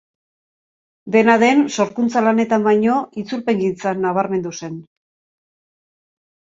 Dena den, sorkuntza-lanetan baino, itzulpengintzan nabarmendu zen.